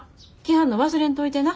はんの忘れんといてな。